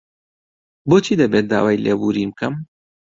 بۆچی دەبێت داوای لێبوورین بکەم؟